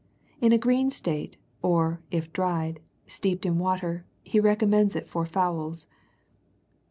In a green state, or, if dried, steeped in water, he recommends it for fowls.